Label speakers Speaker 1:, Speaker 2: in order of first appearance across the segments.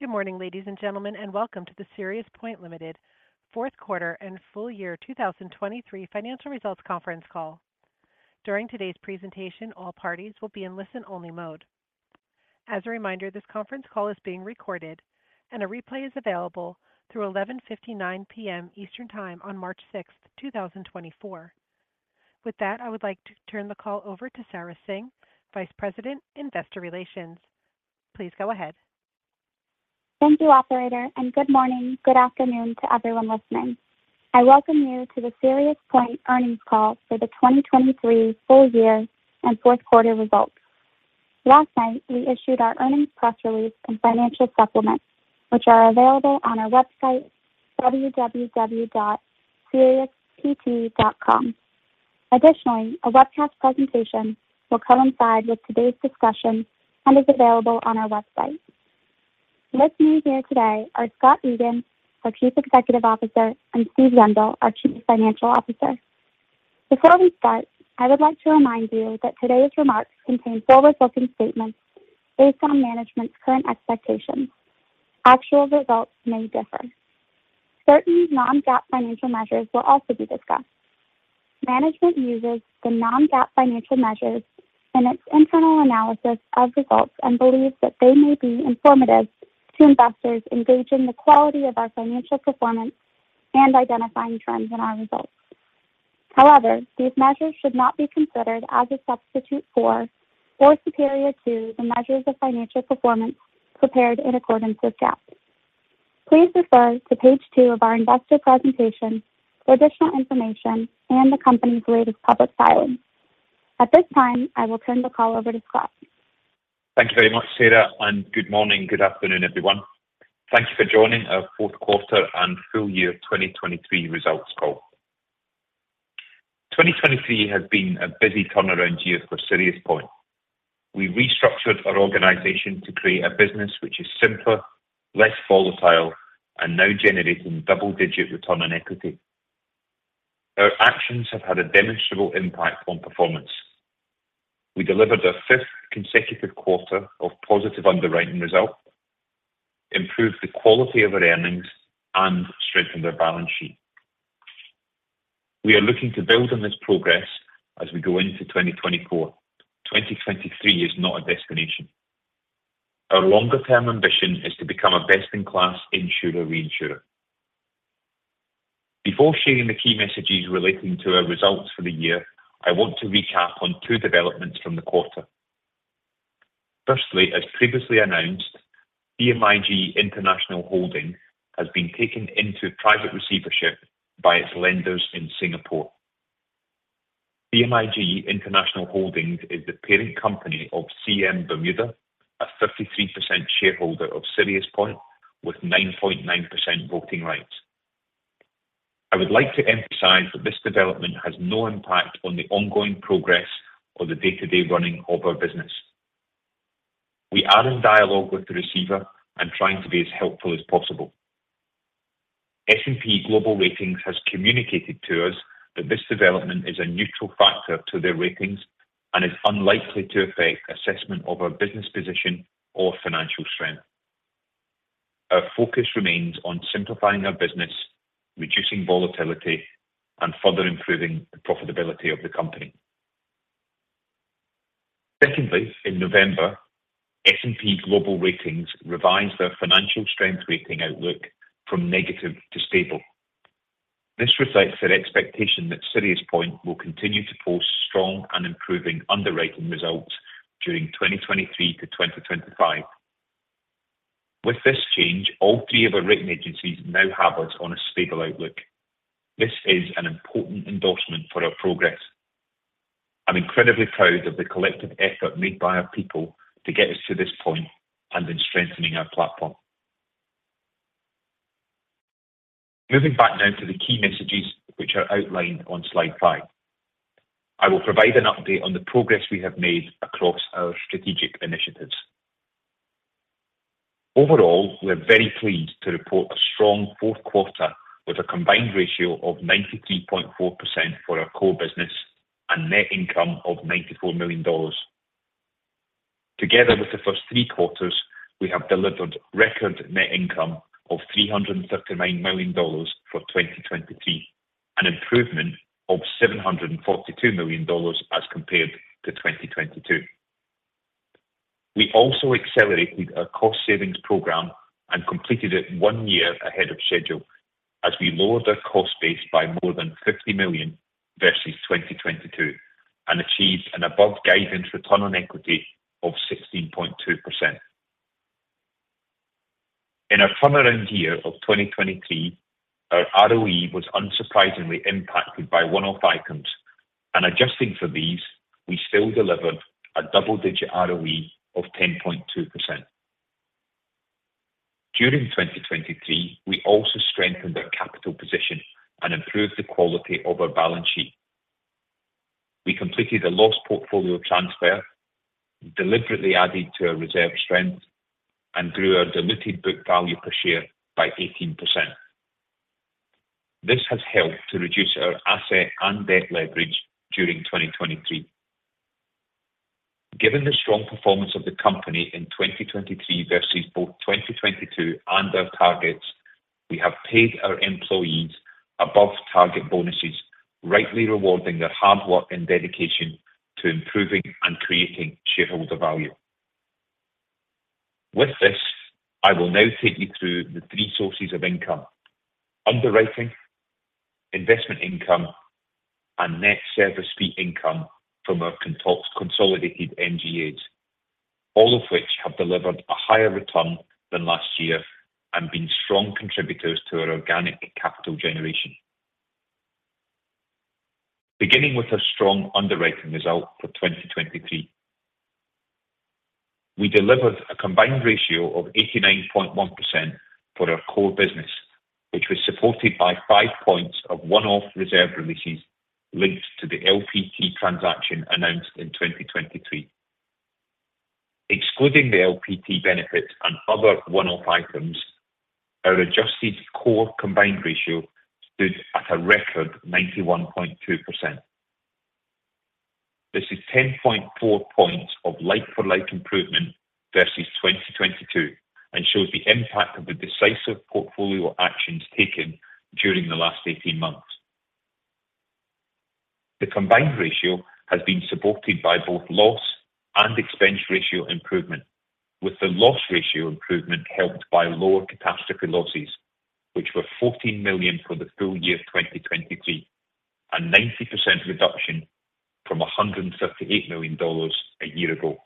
Speaker 1: Good morning, ladies and gentlemen, and welcome to the SiriusPoint Ltd Fourth Quarter and Full Year 2023 Financial Results Conference Call. During today's presentation, all parties will be in listen-only mode. As a reminder, this conference call is being recorded, and a replay is available through 11:59 P.M. Eastern Time on March 6, 2024. With that, I would like to turn the call over to Sarah Singh, Vice President, Investor Relations. Please go ahead.
Speaker 2: Thank you, operator, and good morning, good afternoon to everyone listening. I welcome you to the SiriusPoint earnings call for the 2023 full year and fourth quarter results. Last night, we issued our earnings press release and financial supplements, which are available on our website, www.siriuspt.com. Additionally, a webcast presentation will coincide with today's discussion and is available on our website. With me here today are Scott Egan, our Chief Executive Officer, and Steve Yendall, our Chief Financial Officer. Before we start, I would like to remind you that today's remarks contain forward-looking statements based on management's current expectations. Actual results may differ. Certain non-GAAP financial measures will also be discussed. Management uses the non-GAAP financial measures in its internal analysis of results and believes that they may be informative to investors engaging the quality of our financial performance and identifying trends in our results. However, these measures should not be considered as a substitute for or superior to the measures of financial performance prepared in accordance with GAAP. Please refer to page 2 of our investor presentation for additional information and the company's latest public filings. At this time, I will turn the call over to Scott.
Speaker 3: Thank you very much, Sarah, and good morning, good afternoon, everyone. Thank you for joining our Fourth Quarter and Full Year 2023 Results Call. 2023 has been a busy turnaround year for SiriusPoint. We restructured our organization to create a business which is simpler, less volatile, and now generating double-digit return on equity. Our actions have had a demonstrable impact on performance. We delivered our fifth consecutive quarter of positive underwriting results, improved the quality of our earnings, and strengthened our balance sheet. We are looking to build on this progress as we go into 2024. 2023 is not a destination. Our longer-term ambition is to become a best-in-class insurer, reinsurer. Before sharing the key messages relating to our results for the year, I want to recap on two developments from the quarter. Firstly, as previously announced, CMIG International Holding Pte Ltd has been taken into private receivership by its lenders in Singapore. CMIG International Holding is the parent company of CM Bermuda, a 33% shareholder of SiriusPoint, with 9.9% voting rights. I would like to emphasize that this development has no impact on the ongoing progress or the day-to-day running of our business. We are in dialogue with the receiver and trying to be as helpful as possible. S&P Global Ratings has communicated to us that this development is a neutral factor to their ratings and is unlikely to affect assessment of our business position or financial strength. Our focus remains on simplifying our business, reducing volatility, and further improving the profitability of the company. Secondly, in November, S&P Global Ratings revised their financial strength rating outlook from negative to stable. This reflects their expectation that SiriusPoint will continue to post strong and improving underwriting results during 2023-2025. With this change, all three of our rating agencies now have us on a stable outlook. This is an important endorsement for our progress. I'm incredibly proud of the collective effort made by our people to get us to this point and in strengthening our platform. Moving back now to the key messages which are outlined on slide five. I will provide an update on the progress we have made across our strategic initiatives. Overall, we are very pleased to report a strong fourth quarter with a combined ratio of 93.4% for our core business and net income of $94 million. Together with the first three quarters, we have delivered record net income of $339 million for 2023, an improvement of $742 million as compared to 2022. We also accelerated our cost savings program and completed it one year ahead of schedule, as we lowered our cost base by more than $50 million versus 2022 and achieved an above guidance return on equity of 16.2%. In our turnaround year of 2023, our ROE was unsurprisingly impacted by one-off items, and adjusting for these, we still delivered a double-digit ROE of 10.2%. During 2023, we also strengthened our capital position and improved the quality of our balance sheet. We completed a loss portfolio transfer, deliberately added to our reserve strength, and grew our diluted book value per share by 18%.... This has helped to reduce our asset and debt leverage during 2023. Given the strong performance of the company in 2023 versus both 2022 and our targets, we have paid our employees above-target bonuses, rightly rewarding their hard work and dedication to improving and creating shareholder value. With this, I will now take you through the three sources of income: underwriting, investment income, and net service fee income from our consolidated MGAs, all of which have delivered a higher return than last year and been strong contributors to our organic capital generation. Beginning with a strong underwriting result for 2023, we delivered a combined ratio of 89.1% for our core business, which was supported by five points of one-off reserve releases linked to the LPT transaction announced in 2023. Excluding the LPT benefit and other one-off items, our adjusted core combined ratio stood at a record 91.2%. This is 10.4 points of like-for-like improvement versus 2022, and shows the impact of the decisive portfolio actions taken during the last 18 months. The combined ratio has been supported by both loss and expense ratio improvement, with the loss ratio improvement helped by lower catastrophe losses, which were $14 million for the full year 2023, a 90% reduction from $138 million a year ago.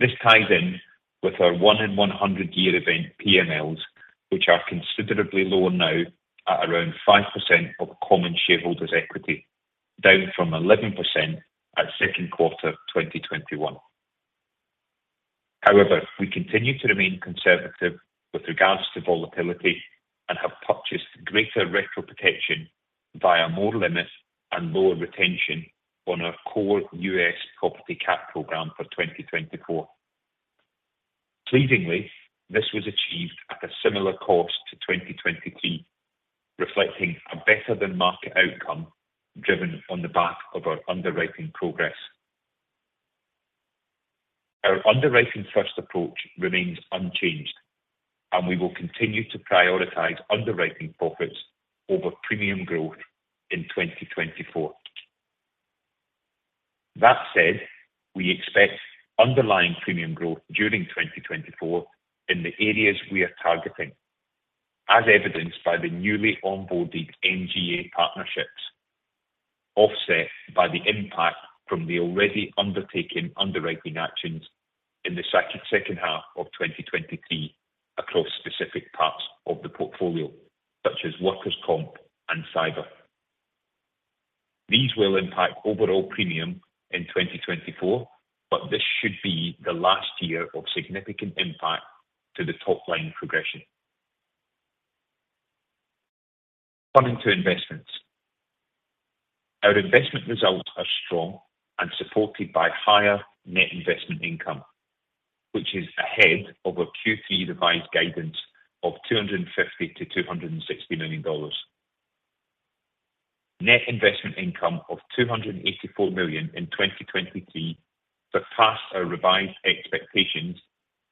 Speaker 3: This ties in with our 1 in 100-year event PMLs, which are considerably lower now at around 5% of common shareholders' equity, down from 11% at second quarter 2021. However, we continue to remain conservative with regards to volatility and have purchased greater retro protection via more limits and lower retention on our core U.S. property cat program for 2024. Pleasingly, this was achieved at a similar cost to 2023, reflecting a better-than-market outcome, driven on the back of our underwriting progress. Our underwriting-first approach remains unchanged, and we will continue to prioritize underwriting profits over premium growth in 2024. That said, we expect underlying premium growth during 2024 in the areas we are targeting, as evidenced by the newly onboarded MGA partnerships, offset by the impact from the already undertaken underwriting actions in the second half of 2023 across specific parts of the portfolio, such as workers' comp and cyber. These will impact overall premium in 2024, but this should be the last year of significant impact to the top-line progression. Coming to investments. Our investment results are strong and supported by higher net investment income, which is ahead of our Q3 revised guidance of $250 million to $260 million. Net investment income of $284 million in 2023 surpassed our revised expectations,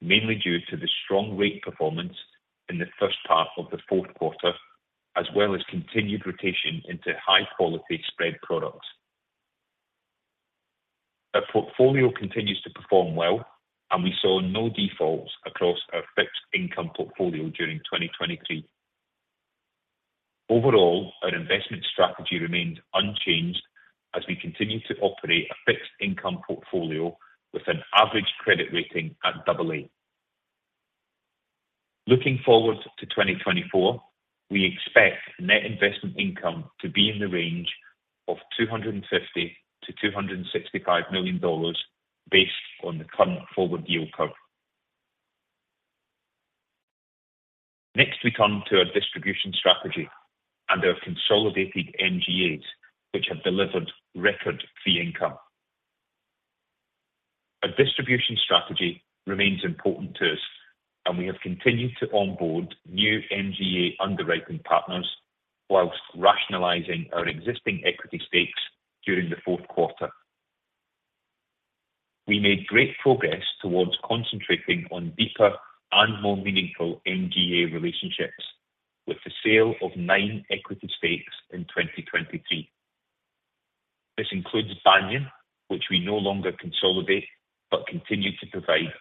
Speaker 3: mainly due to the strong rate performance in the first half of the fourth quarter, as well as continued rotation into high-quality spread products. Our portfolio continues to perform well, and we saw no defaults across our fixed income portfolio during 2023. Overall, our investment strategy remains unchanged as we continue to operate a fixed income portfolio with an average credit rating at AA. Looking forward to 2024, we expect net investment income to be in the range of $250 million to $265 million based on the current forward yield curve. Next, we come to our distribution strategy and our consolidated MGAs, which have delivered record fee income. Our distribution strategy remains important to us, and we have continued to onboard new MGA underwriting partners while rationalizing our existing equity stakes during the fourth quarter. We made great progress towards concentrating on deeper and more meaningful MGA relationships, with the sale of nine equity stakes in 2023. This includes Banyan, which we no longer consolidate but continue to provide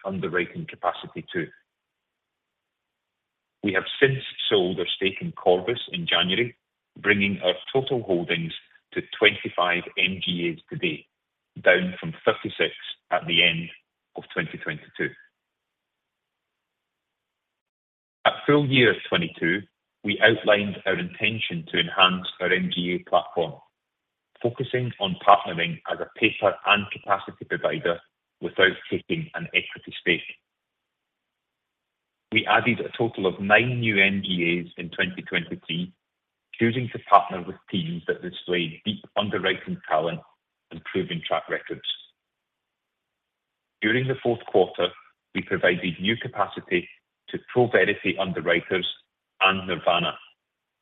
Speaker 3: underwriting capacity to. We have since sold our stake in Corvus in January, bringing our total holdings to 25 MGAs to date, down from 36 at the end of 2022. At full year 2020, we outlined our intention to enhance our MGA platform, focusing on partnering as a paper and capacity provider without taking an equity stake. We added a total of nine new MGAs in 2023, choosing to partner with teams that displayed deep underwriting talent and proven track records. During the fourth quarter, we provided new capacity to ProVerity Underwriters and Nirvana,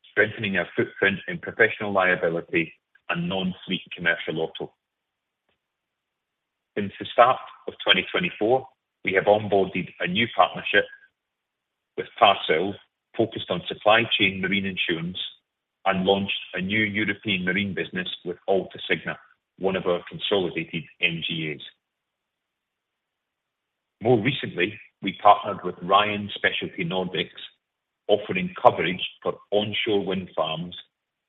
Speaker 3: strengthening our footprint in professional liability and non-fleet commercial auto. Since the start of 2024, we have onboarded a new partnership with Parsyl, focused on supply chain marine insurance, and launched a new European marine business with Alta Signa, one of our consolidated MGAs. More recently, we partnered with Ryan Specialty Nordics, offering coverage for onshore wind farms,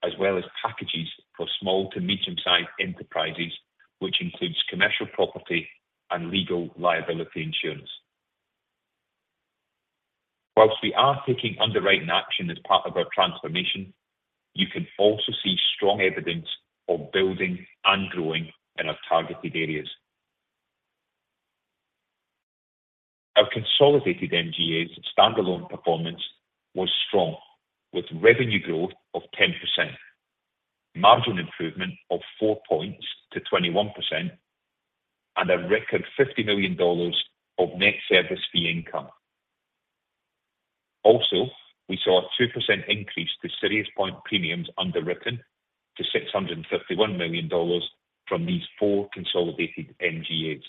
Speaker 3: as well as packages for small to medium-sized enterprises, which includes commercial property and legal liability insurance. While we are taking underwriting action as part of our transformation, you can also see strong evidence of building and growing in our targeted areas. Our consolidated MGAs standalone performance was strong, with revenue growth of 10%, margin improvement of 4 points to 21%, and a record $50 million of net service fee income. Also, we saw a 2% increase to SiriusPoint premiums underwritten to $651 million from these four consolidated MGAs.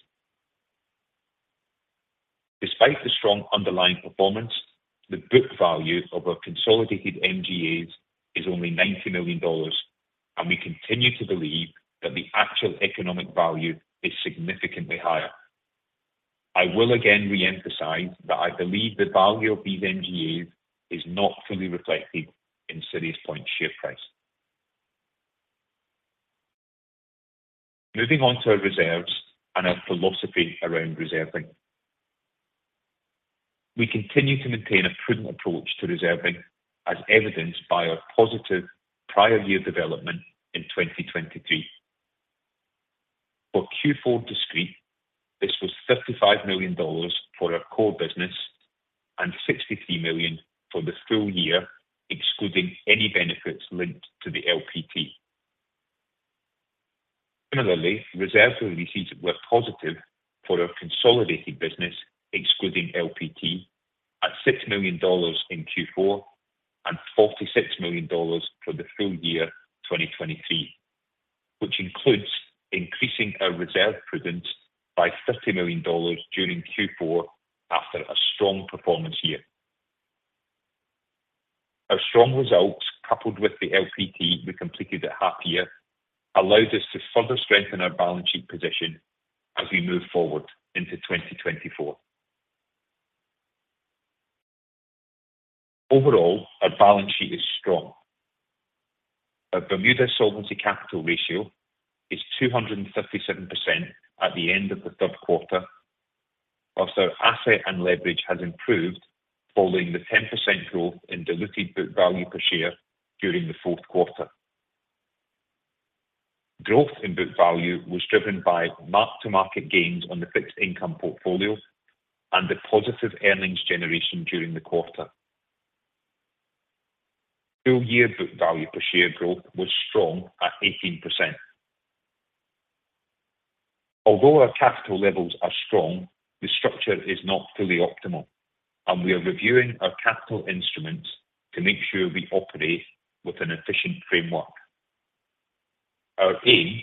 Speaker 3: Despite the strong underlying performance, the book value of our consolidated MGAs is only $90 million, and we continue to believe that the actual economic value is significantly higher. I will again reemphasize that I believe the value of these MGAs is not fully reflected in SiriusPoint's share price. Moving on to our reserves and our philosophy around reserving. We continue to maintain a prudent approach to reserving, as evidenced by our positive prior year development in 2023. For Q4 discrete, this was $55 million for our core business and $63 million for the full year, excluding any benefits linked to the LPT. Similarly, reserve releases were positive for our consolidated business, excluding LPT, at $6 million in Q4 and $46 million for the full year 2023, which includes increasing our reserve prudence by $30 million during Q4 after a strong performance year. Our strong results, coupled with the LPT we completed at half-year, allowed us to further strengthen our balance sheet position as we move forward into 2024. Overall, our balance sheet is strong. Our Bermuda solvency capital ratio is 257% at the end of the third quarter, while our asset and leverage has improved following the 10% growth in diluted book value per share during the fourth quarter. Growth in book value was driven by mark-to-market gains on the fixed income portfolios and the positive earnings generation during the quarter. Full-year book value per share growth was strong at 18%. Although our capital levels are strong, the structure is not fully optimal, and we are reviewing our capital instruments to make sure we operate with an efficient framework. Our aim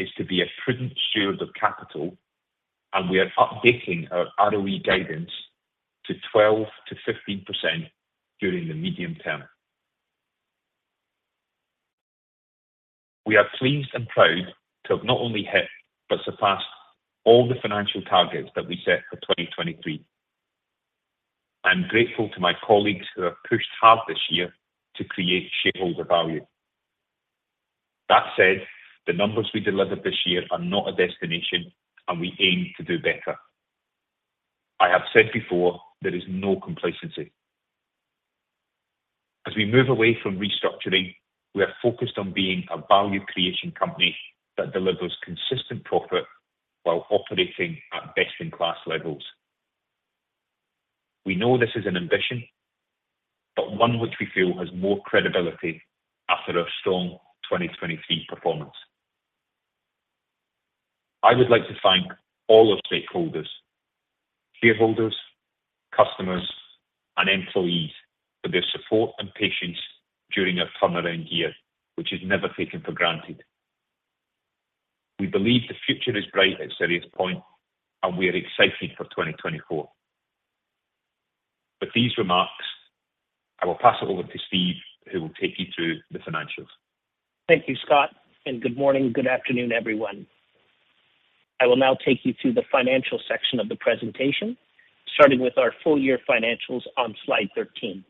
Speaker 3: is to be a prudent steward of capital, and we are updating our ROE guidance to 12%-15% during the medium term. We are pleased and proud to have not only hit, but surpassed all the financial targets that we set for 2023. I'm grateful to my colleagues who have pushed hard this year to create shareholder value. That said, the numbers we delivered this year are not a destination, and we aim to do better. I have said before, there is no complacency. As we move away from restructuring, we are focused on being a value creation company that delivers consistent profit while operating at best-in-class levels. We know this is an ambition, but one which we feel has more credibility after a strong 2023 performance. I would like to thank all our stakeholders, shareholders, customers, and employees for their support and patience during our turnaround year, which is never taken for granted. We believe the future is bright at SiriusPoint, and we are excited for 2024. With these remarks, I will pass it over to Steve, who will take you through the financials.
Speaker 4: Thank you, Scott, and good morning. Good afternoon, everyone. I will now take you through the financial section of the presentation, starting with our full-year financials on slide 13.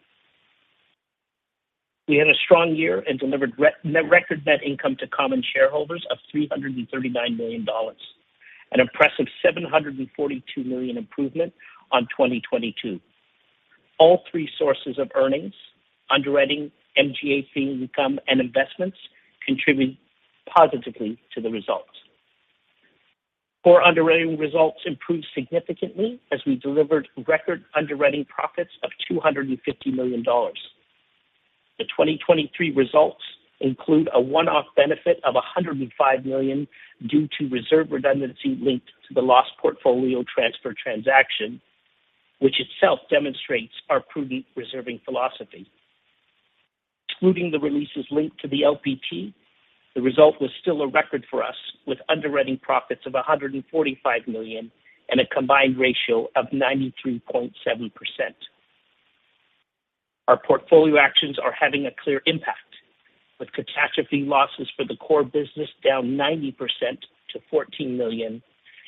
Speaker 4: We had a strong year and delivered record net income to common shareholders of $339 million, an impressive $742 million improvement on 2022. All three sources of earnings, underwriting, MGA fee income, and investments, contribute positively to the results. Our underwriting results improved significantly as we delivered record underwriting profits of $250 million. The 2023 results include a one-off benefit of $105 million due to reserve redundancy linked to the loss portfolio transfer transaction, which itself demonstrates our prudent reserving philosophy. Excluding the releases linked to the LPT, the result was still a record for us, with underwriting profits of $145 million and a combined ratio of 93.7%. Our portfolio actions are having a clear impact, with catastrophe losses for the core business down 90% to $14 million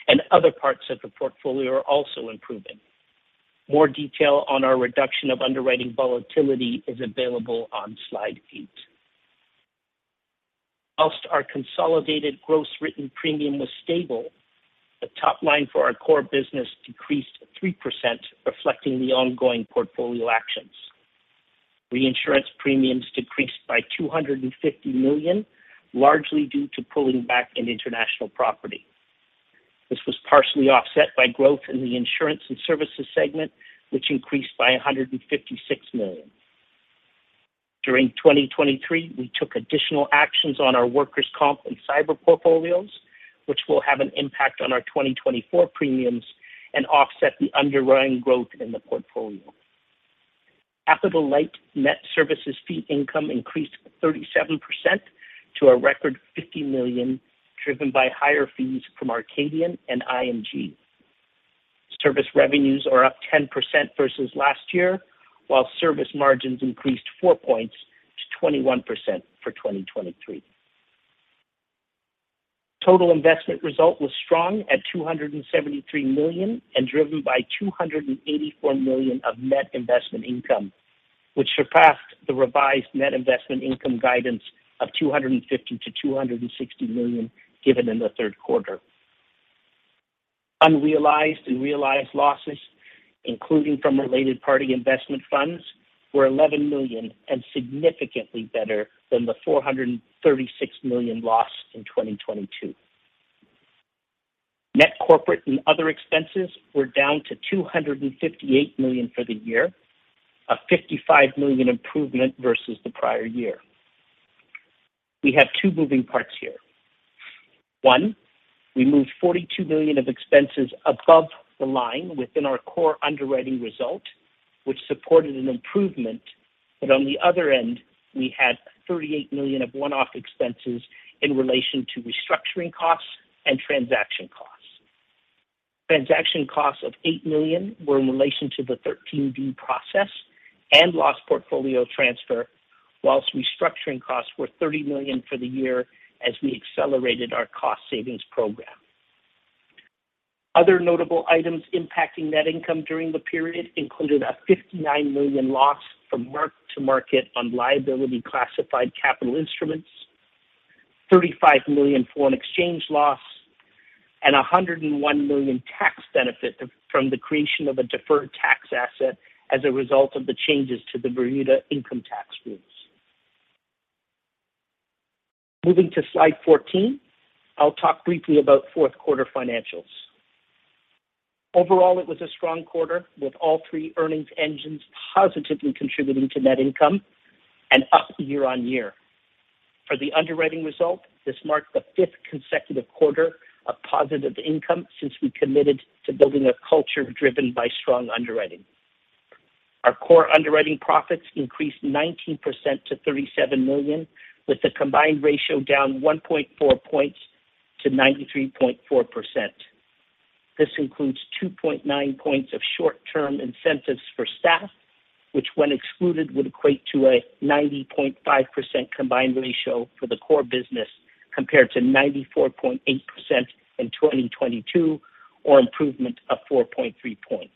Speaker 4: and other parts of the portfolio are also improving. More detail on our reduction of underwriting volatility is available on slide 8. While our consolidated gross written premium was stable, the top line for our core business decreased 3%, reflecting the ongoing portfolio actions. Reinsurance premiums decreased by $250 million, largely due to pulling back in international property. This was partially offset by growth in the insurance and services segment, which increased by $156 million. During 2023, we took additional actions on our workers' comp and cyber portfolios, which will have an impact on our 2024 premiums and offset the underlying growth in the portfolio. After the LPT, net services fee income increased 37% to a record $50 million, driven by higher fees from Arcadian and IMG. Service revenues are up 10% versus last year, while service margins increased four points to 21% for 2023. Total investment result was strong at $273 million and driven by $284 million of net investment income, which surpassed the revised net investment income guidance of $250 million to $260 million given in the third quarter. Unrealized and realized losses, including from related party investment funds, were $11 million and significantly better than the $436 million lost in 2022. Net corporate and other expenses were down to $258 million for the year, a $55 million improvement versus the prior year. We have two moving parts here. One, we moved $42 million of expenses above the line within our core underwriting result, which supported an improvement, but on the other end, we had $38 million of one-off expenses in relation to restructuring costs and transaction costs. Transaction costs of $8 million were in relation to the 13D process and loss portfolio transfer, whilst restructuring costs were $30 million for the year as we accelerated our cost savings program. Other notable items impacting net income during the period included a $59 million loss from mark to market on liability-classified capital instruments, $35 million foreign exchange loss, and a $101 million tax benefit from the creation of a deferred tax asset as a result of the changes to the Bermuda income tax rules. Moving to slide 14, I'll talk briefly about fourth-quarter financials. Overall, it was a strong quarter, with all three earnings engines positively contributing to net income and up year-on-year. For the underwriting result, this marked the fifth consecutive quarter of positive income since we committed to building a culture driven by strong underwriting. Our core underwriting profits increased 19% to $37 million, with the combined ratio down 1.4 points to 93.4%. This includes 2.9 points of short-term incentives for staff, which, when excluded, would equate to a 90.5% combined ratio for the core business, compared to 94.8% in 2022, or improvement of 4.3 points.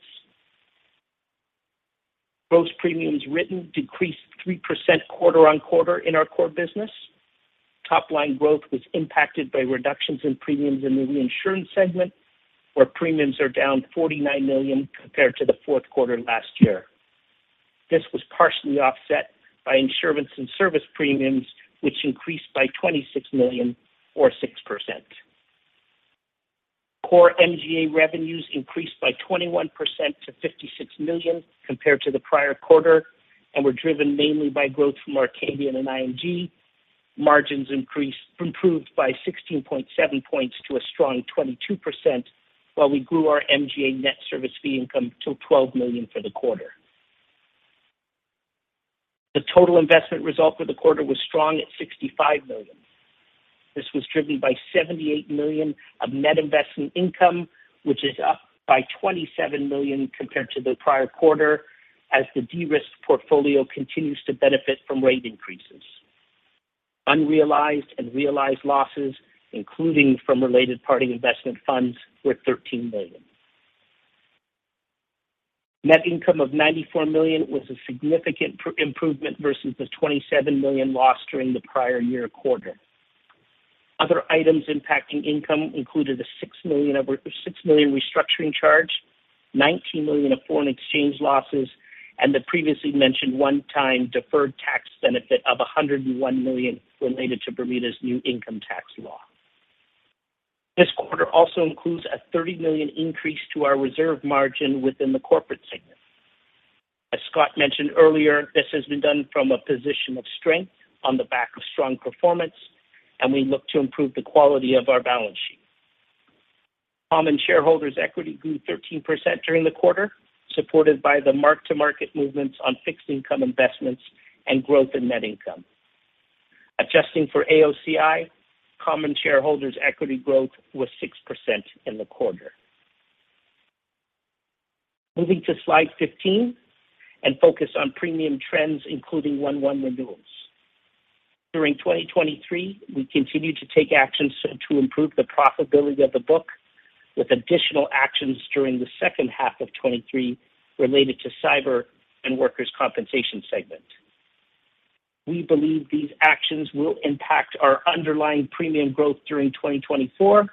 Speaker 4: Gross premiums written decreased 3% quarter-on-quarter in our core business. Top-line growth was impacted by reductions in premiums in the reinsurance segment, where premiums are down $49 million compared to the fourth quarter last year. This was partially offset by insurance and service premiums, which increased by $26 million, or 6%. Core MGA revenues increased by 21% to $56 million compared to the prior quarter and were driven mainly by growth from Arcadian and IMG. Margins increased, improved by 16.7 points to a strong 22%, while we grew our MGA net service fee income to $12 million for the quarter. The total investment result for the quarter was strong at $65 million. This was driven by $78 million of net investment income, which is up by $27 million compared to the prior quarter, as the de-risked portfolio continues to benefit from rate increases. Unrealized and realized losses, including from related party investment funds, were $13 million. Net income of $94 million was a significant improvement versus the $27 million lost during the prior year quarter. Other items impacting income included a $6 million restructuring charge, $19 million of foreign exchange losses, and the previously mentioned one-time deferred tax benefit of $101 million related to Bermuda's new income tax law. This quarter also includes a $30 million increase to our reserve margin within the corporate segment. As Scott mentioned earlier, this has been done from a position of strength on the back of strong performance, and we look to improve the quality of our balance sheet. Common shareholders' equity grew 13% during the quarter, supported by the mark-to-market movements on fixed income investments and growth in net income. Adjusting for AOCI, common shareholders' equity growth was 6% in the quarter. Moving to slide 15 and focus on premium trends, including 1-1 renewals. During 2023, we continued to take actions to improve the profitability of the book, with additional actions during the second half of 2023 related to cyber and workers' compensation segment. We believe these actions will impact our underlying premium growth during 2024,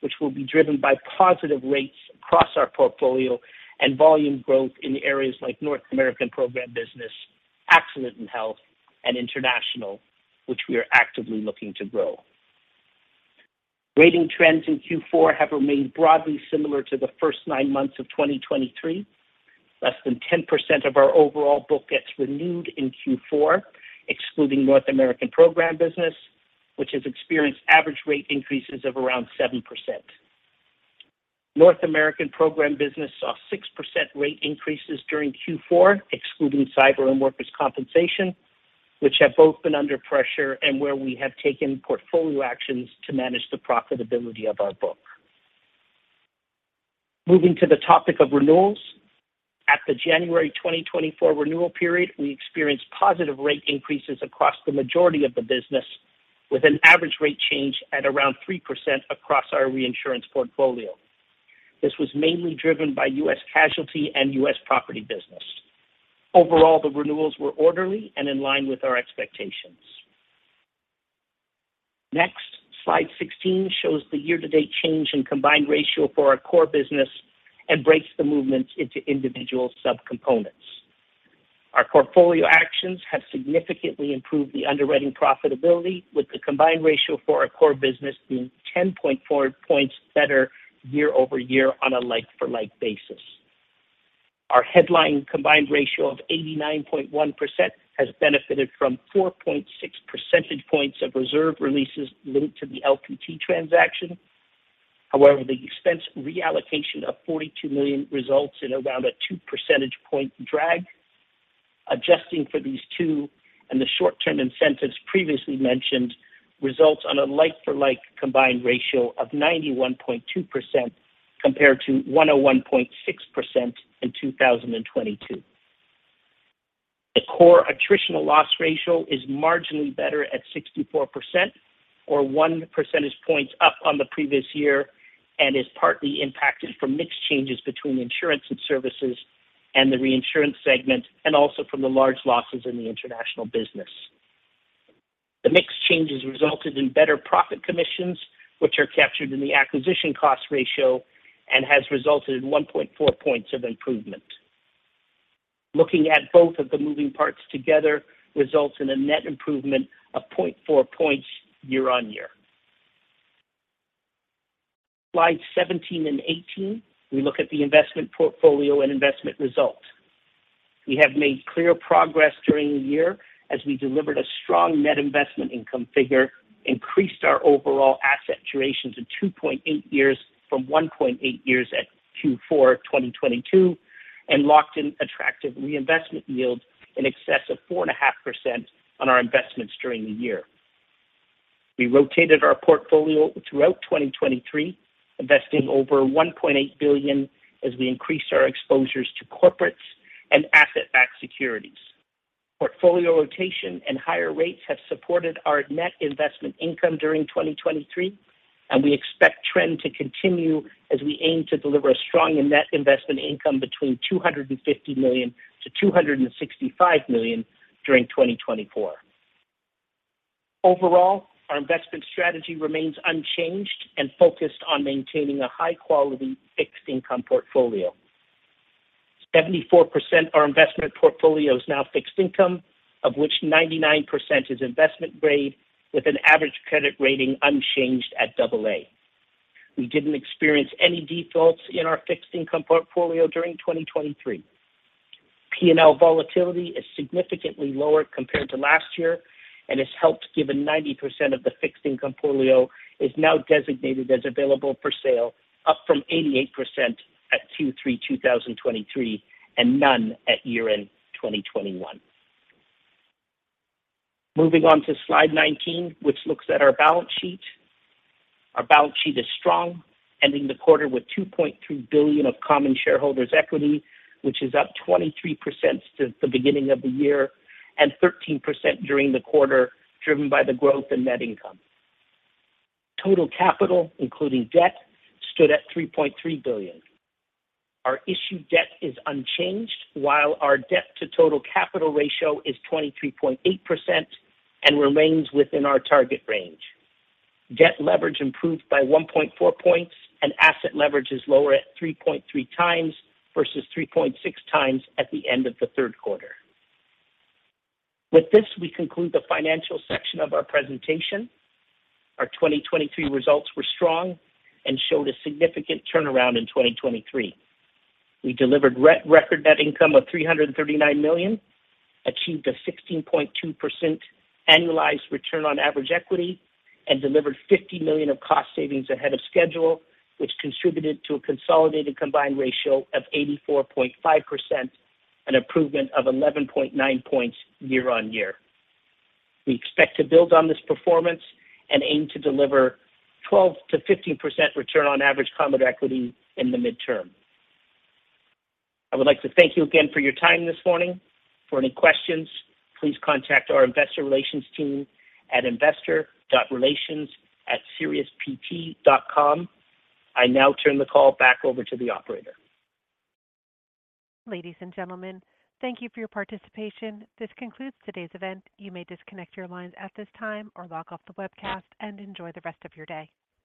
Speaker 4: which will be driven by positive rates across our portfolio and volume growth in areas like North American program business, accident and health, and international, which we are actively looking to grow. Rating trends in Q4 have remained broadly similar to the first 9 months of 2023. Less than 10% of our overall book gets renewed in Q4, excluding North American program business, which has experienced average rate increases of around 7%. North American program business saw 6% rate increases during Q4, excluding cyber and workers' compensation, which have both been under pressure and where we have taken portfolio actions to manage the profitability of our book. Moving to the topic of renewals. At the January 2024 renewal period, we experienced positive rate increases across the majority of the business, with an average rate change at around 3% across our reinsurance portfolio. This was mainly driven by US casualty and US property business. Overall, the renewals were orderly and in line with our expectations. Next, slide 16 shows the year-to-date change in combined ratio for our core business and breaks the movements into individual subcomponents. Our portfolio actions have significantly improved the underwriting profitability, with the combined ratio for our core business being 10.4 points better year-over-year on a like for like basis. Our headline combined ratio of 89.1% has benefited from 4.6 percentage points of reserve releases linked to the LPT transaction. However, the expense reallocation of $42 million results in around a 2 percentage point drag. Adjusting for these two and the short-term incentives previously mentioned results on a like for like combined ratio of 91.2% compared to 101.6% in 2022. The core attritional loss ratio is marginally better at 64% or 1 percentage point up on the previous year and is partly impacted from mix changes between insurance and services and the reinsurance segment, and also from the large losses in the international business. The mix changes resulted in better profit commissions, which are captured in the acquisition cost ratio and has resulted in 1.4 points of improvement. Looking at both of the moving parts together results in a net improvement of 0.4 points year on year. Slide 17 and 18, we look at the investment portfolio and investment results. We have made clear progress during the year as we delivered a strong net investment income figure, increased our overall asset duration to 2.8 years from 1.8 years at Q4 2022, and locked in attractive reinvestment yields in excess of 4.5% on our investments during the year. We rotated our portfolio throughout 2023, investing over $1.8 billion as we increased our exposures to corporates and asset-backed securities. Portfolio rotation and higher rates have supported our net investment income during 2023, and we expect trend to continue as we aim to deliver a strong and net investment income between $250 million to $265 million during 2024. Overall, our investment strategy remains unchanged and focused on maintaining a high-quality fixed income portfolio. 74% are investment portfolios, now fixed income, of which 99% is investment grade, with an average credit rating unchanged at AA. We didn't experience any defaults in our fixed income portfolio during 2023. P&L volatility is significantly lower compared to last year and has helped, given 90% of the fixed income portfolio is now designated as available for sale, up from 88% at Q3 2023, and none at year-end, 2021. Moving on to slide 19, which looks at our balance sheet. Our balance sheet is strong, ending the quarter with $2.2 billion of common shareholders' equity, which is up 23% since the beginning of the year and 13% during the quarter, driven by the growth in net income. Total capital, including debt, stood at $3.3 billion. Our issued debt is unchanged, while our debt-to-total capital ratio is 23.8% and remains within our target range. Debt leverage improved by 1.4 points, and asset leverage is lower at 3.3x versus 3.6x at the end of the third quarter. With this, we conclude the financial section of our presentation. Our 2023 results were strong and showed a significant turnaround in 2023. We delivered record net income of $339 million, achieved a 16.2% annualized return on average equity, and delivered $50 million of cost savings ahead of schedule, which contributed to a consolidated combined ratio of 84.5%, an improvement of 11.9 points year-on-year. We expect to build on this performance and aim to deliver 12%-15% return on average common equity in the midterm. I would like to thank you again for your time this morning. For any questions, please contact our investor relations team at investor.relations@siriuspt.com. I now turn the call back over to the operator.
Speaker 1: Ladies and gentlemen, thank you for your participation. This concludes today's event. You may disconnect your lines at this time or log off the webcast and enjoy the rest of your day.